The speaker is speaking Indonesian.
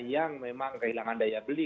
yang memang kehilangan daya beli